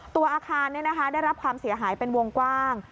ตัวอาคารได้รับความเสียหายเป็นวงกว้าง